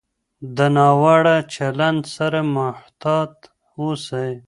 د ناوړه چلند سره محتاط اوسئ.